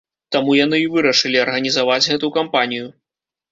Таму яны і вырашылі арганізаваць гэту кампанію.